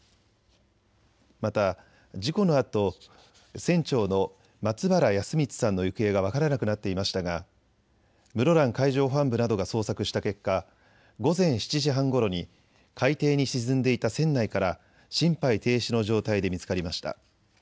また、事故のあと船長の松原保光さんの行方が分からなくなっていましたが室蘭海上保安部などが捜索した結果、午前７時半ごろに海底に沈んでいた船内から心肺停止の状態で見つかりました。